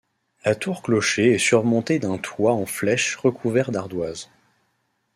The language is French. La tour-clocher est surmontée d'un toit en flèche recouvert d'ardoises.